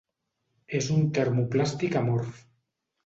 És un termoplàstic amorf.